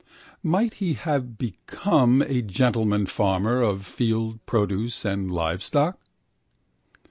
Might he become a gentleman farmer of field produce and live stock?